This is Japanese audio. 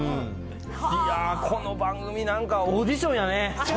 いやー、この番組なんかオーディションやね。